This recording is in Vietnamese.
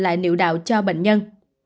lại nữ đạo cho bệnh nhân